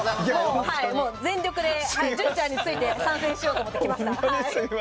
全力で、隼さんについて参戦しようと思いました。